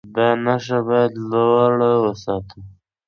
دا نښه باید لوړه وساتو.